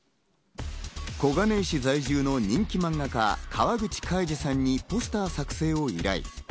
小金井市在住の人気漫画家・かわぐちかいじさんにポスター作製を依頼。